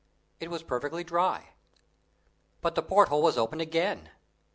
It was perfectly dry. But the porthole was open again.